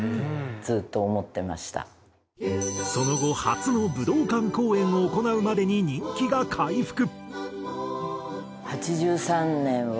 その後初の武道館公演を行うまでに人気が回復。